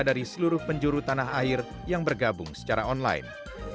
dari seluruh penjuru tanah air yang bergabung secara online